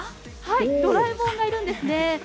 ドラえもんがいるんですね。